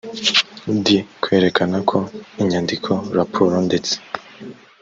d kwerekana ko inyandiko raporo ndetse